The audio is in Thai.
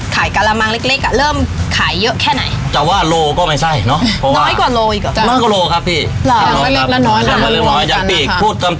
ขายกาลามังเล็กเล็กอ่ะเริ่มขายเยอะแค่ไหนจะว่าโลก็ไม่ใช่เนอะ